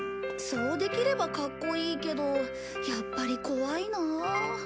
そうできればかっこいいけどやっぱり怖いなあ。